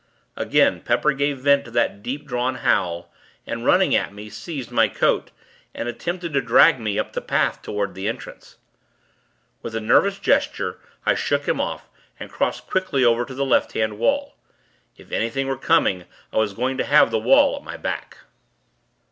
Again, Pepper gave vent to that deep drawn howl, and, running at me, seized my coat, and attempted to drag me up the path toward the entrance. With a nervous gesture, I shook him off, and crossed quickly over to the left hand wall. If anything were coming, I was going to have the wall at my back.